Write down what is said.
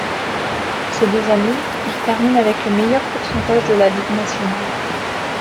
Ces deux années, ils terminent avec le meilleur pourcentage de la ligue nationale.